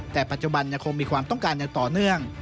แต่ปัจจุบันยังคงมีความต้องการอย่างต่อเนื่อง